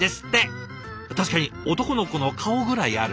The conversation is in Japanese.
確かに男の子の顔ぐらいある！